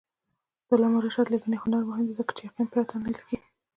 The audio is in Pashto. د علامه رشاد لیکنی هنر مهم دی ځکه چې یقین پرته نه لیکي.